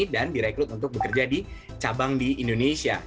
dan direkrut untuk bekerja di cabang di indonesia